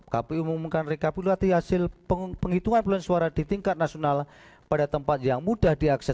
kpu mengumumkan rekapiluasi hasil penghitungan bulan suara di tingkat nasional pada tempat yang mudah diakses